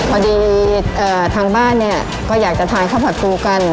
พอดีทางบ้านเนี่ยก็อยากจะทานข้าวผัดปูกัน